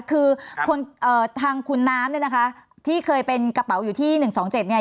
คือคนเอ่อทางคุณน้ำเนี่ยนะคะที่เคยเป็นกระเป๋าอยู่ที่๑๒๗เนี่ย